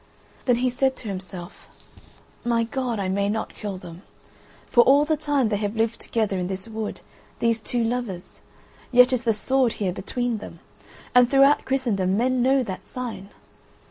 Then he said to himself: "My God, I may not kill them. For all the time they have lived together in this wood, these two lovers, yet is the sword here between them, and throughout Christendom men know that sign.